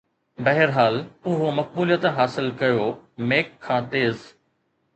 بهرحال، اهو مقبوليت حاصل ڪيو Mac کان تيز